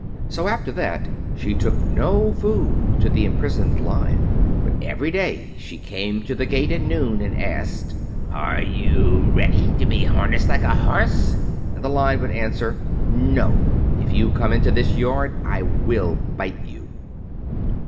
So after that she took no food to the imprisoned Lion; but every day she came to the gate at noon and asked, "Are you ready to be harnessed like a horse?" And the Lion would answer, "No. If you come in this yard, I will bite you."